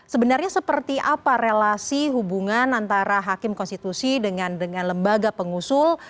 sebenarnya seperti apa relasi hubungan antara hakim konstitusi dengan lembaga pengusul